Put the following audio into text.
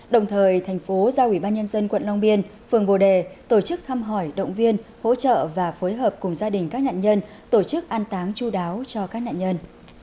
đồng thời thành phố giao ủy ban nhân dân quận long biên phường bồ đề tổ chức thăm hỏi động viên hỗ trợ và phối hợp cùng gia đình các nạn nhân tổ chức an táng chú đáo cho các nạn nhân